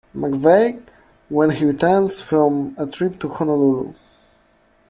McVeigh when he returns from a trip to Honolulu.